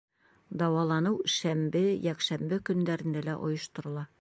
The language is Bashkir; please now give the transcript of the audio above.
Дауаланыу шәмбе, йәкшәмбе көндәрендә лә ойошторола.